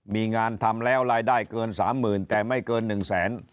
มีงานทำแล้วรายได้เกินสามหมื่นแต่ไม่เกินหนึ่งแสน